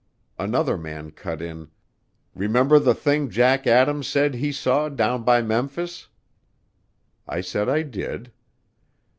Another man cut in, "Remember the thing Jack Adams said he saw down by Memphis?" I said I did.